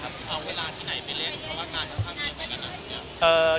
เอาเวลาที่ไหนไปเล่นก่อนข้างกลมตกเรียนเลยหรือยัง